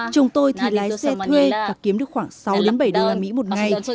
chồng tôi thì lái xe thuê và kiếm được khoảng sáu bảy đứa mỹ một ngày